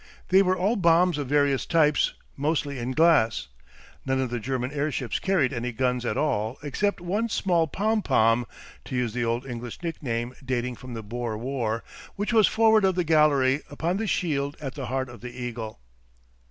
They were all bombs of various types mostly in glass none of the German airships carried any guns at all except one small pom pom (to use the old English nickname dating from the Boer war), which was forward in the gallery upon the shield at the heart of the eagle.